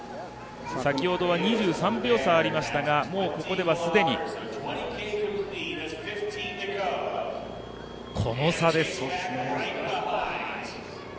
先ほどは２３秒差ありましたがもうここでは既に、この差です。